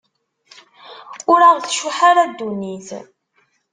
Ur aɣ-tcuḥḥ ara ddunit.